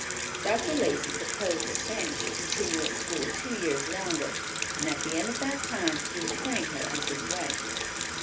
Dr. Lacey proposed that Fanny should continue at school two years longer, and at the end of that time he would claim her as his wife.